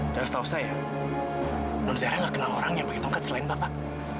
dan setahu saya anwar zahir nggak kenal orang yang pakai tongkat selain bapak